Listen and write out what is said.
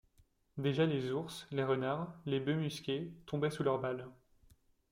Déjà les ours, les renards, les bœufs musqués, tombaient sous leurs balles!